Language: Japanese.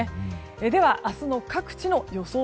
では明日の各地の予想